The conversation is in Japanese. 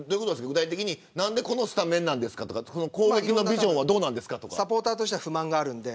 具体的に何で、このスタメンなんですかとか攻撃のビジョンはサポーターとしては不満があるんで。